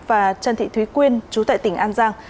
và trần thị thúy quyên chú tại tỉnh an giang